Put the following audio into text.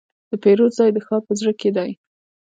د پیرود ځای د ښار په زړه کې دی.